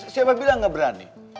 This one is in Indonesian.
siapa bilang gak berani